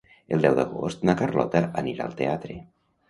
El deu d'agost na Carlota anirà al teatre.